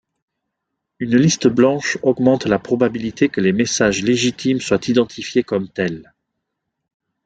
Une liste blanche augmente la probabilité que les messages légitimes soient identifiés comme tels.